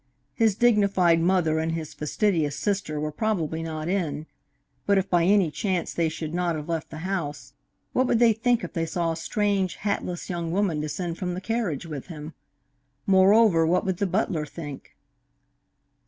His dignified mother and his fastidious sister were probably not in, but if by any chance they should not have left the house, what would they think if they saw a strange, hatless young woman descend from the carriage with him? Moreover, what would the butler think?